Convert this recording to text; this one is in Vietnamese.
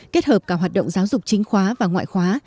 kết hợp cả hoạt động giáo dục chính khóa và ngoại khóa